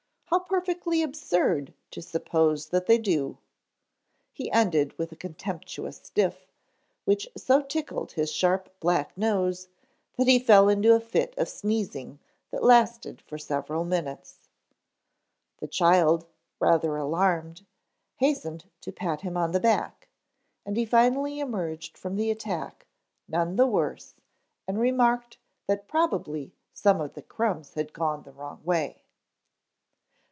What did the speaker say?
How perfectly absurd to suppose that they do!" He ended with a contemptuous sniff, which so tickled his sharp black nose that he fell into a fit of sneezing that lasted for several minutes. The child, rather alarmed, hastened to pat him on the back, and he finally emerged from the attack none the worse and remarked that probably some of the crumbs had gone the wrong way.